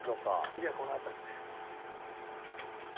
次はこの辺りで。